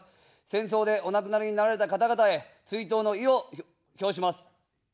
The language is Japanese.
戦争でお亡くなりになられた方々へ追悼の意を表します。